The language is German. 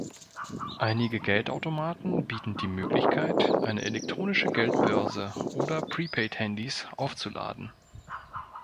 Einige Geldautomaten bieten die Möglichkeit, eine elektronische Geldbörse oder Prepaid-Handys aufzuladen.